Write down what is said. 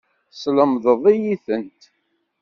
Teslemdeḍ-iyi-tent.